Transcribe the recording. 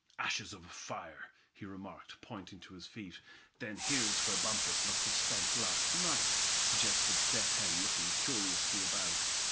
"Ashes of a fire!" he remarked, pointing to his feet. "Then here's where Bumpus must a spent last night?" suggested Step Hen, looking curiously about.